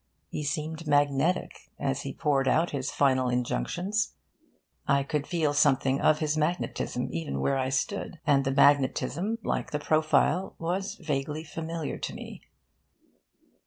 He seemed magnetic, as he poured out his final injunctions. I could feel something of his magnetism even where I stood. And the magnetism, like the profile, was vaguely familiar to me.